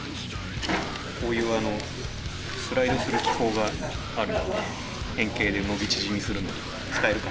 こういうスライドする機構があるので変形で伸び縮みするのに使えるかなと。